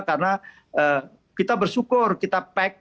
karena kita bersyukur kita pack